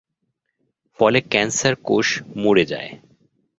ফলে ক্যান্সার কোষ মরে যায়।